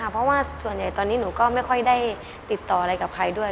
เพราะว่าส่วนใหญ่ตอนนี้หนูก็ไม่ค่อยได้ติดต่ออะไรกับใครด้วย